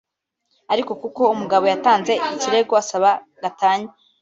ariko kuko umugabo yatanze ikirego asaba gatanya